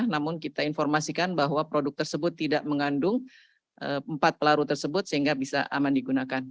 namun kita informasikan bahwa produk tersebut tidak mengandung empat pelaru tersebut sehingga bisa aman digunakan